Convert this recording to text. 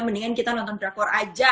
mendingan kita nonton drakor aja